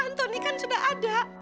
antoni kan sudah ada